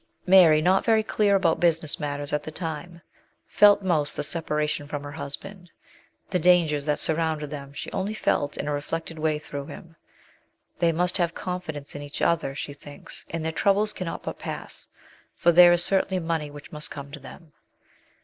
Mary, not very clear about business matters at the time, felt most the separation from her husband : the dangers that surrounded them she only felt in a reflected way through him. They must have confidence in each other, she thinks, and their troubles cannot but pass, for there is certainly money which must come to them